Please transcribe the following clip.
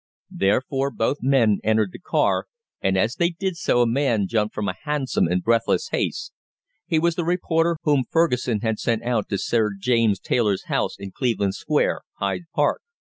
Therefore, both men entered the car, and as they did so a man jumped from a hansom in breathless haste. He was the reporter whom Fergusson had sent out to Sir James Taylor's house in Cleveland Square, Hyde Park.